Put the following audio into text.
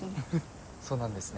そうなんですね。